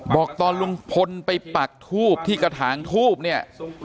บอกตอนลุงพลไปปักทูบที่กระถางทูบเนี่ย